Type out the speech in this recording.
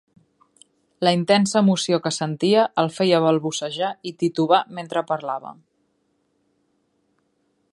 La intensa emoció que sentia el feia balbucejar i titubar mentre parlava.